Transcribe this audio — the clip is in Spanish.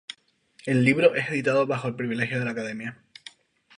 El libro es editado bajo el privilegio de la Academia.